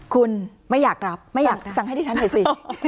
คุณไม่อยากรับไม่อยากสั่งให้ดิฉันหน่อยสิ